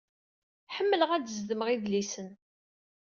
Ḥemmleɣ ad d-zedmeɣ idlisen.